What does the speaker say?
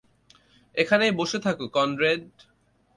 এখানেই বসে থাকো, কনরেড।